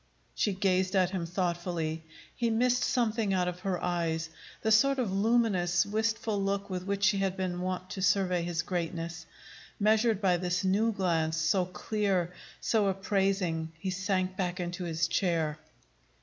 She gazed at him thoughtfully. He missed something out of her eyes, the sort of luminous, wistful look with which she had been wont to survey his greatness. Measured by this new glance, so clear, so appraising, he sank back into his chair.